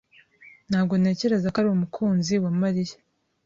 Ntabwo ntekereza ko ari umukunzi wa Mariya